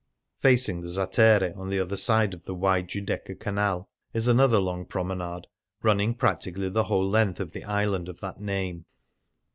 Facing the Zattere, on the other side of the wide Giudecca Canal, is another long prome nade, running practically the whole length of the island of that name.